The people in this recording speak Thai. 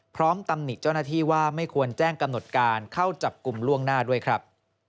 ตำหนิเจ้าหน้าที่ว่าไม่ควรแจ้งกำหนดการเข้าจับกลุ่มล่วงหน้าด้วยครับ